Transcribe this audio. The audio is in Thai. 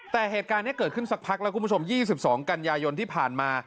แต่เหตุการณ์นี้เกิดขึ้นสักพักแล้วคุณผู้ชม๒๒กันยายนที่ผ่านมา